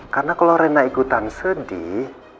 karena kalau rena ikutan sedih